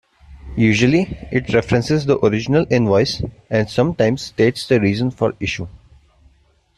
Usually it references the original Invoice and sometimes states the reason for issue.